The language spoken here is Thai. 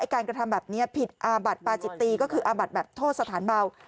การกระทำแบบนี้ผิดอาบัติปาจิตีก็คืออาบัดแบบโทษสถานเบา